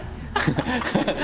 ハハハハ！